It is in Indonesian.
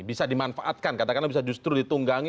bisa dimanfaatkan katakanlah bisa justru ditunggangi